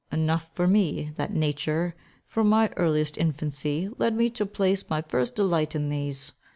Enough for me, that nature, from my earliest infancy, led me to place my first delight in these.